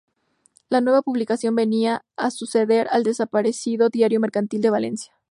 La nueva publicación venía a suceder al desparecido "Diario Mercantil de Valencia".